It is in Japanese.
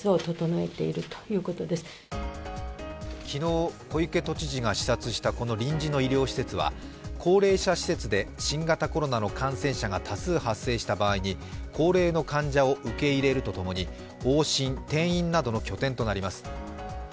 昨日、小池都知事が視察した、この臨時の医療施設は高齢者施設で新型コロナの感染者が多数発生した場合に高齢の患者を受け入れるとともに、往診、転院などの拠点となります。